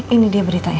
ini dia beritanya